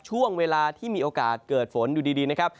ช่วงเวลาที่มีโอกาสเกิดฝนอยู่ดีนะครับ